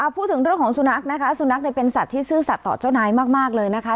พูดถึงเรื่องของสุนัขนะคะสุนัขเป็นสัตว์ที่ซื่อสัตว์ต่อเจ้านายมากเลยนะคะ